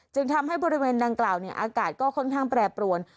จึงทำให้บริเวณดังกล่าวอากาศก็ค่อนข้างแปรปรวน